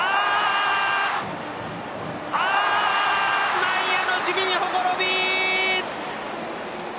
あーっ、内野の守備にほころび！